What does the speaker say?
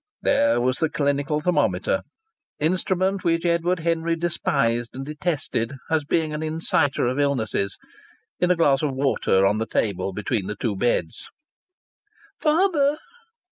There was the clinical thermometer instrument which Edward Henry despised and detested as being an inciter of illnesses in a glass of water on the table between the two beds. "Father!"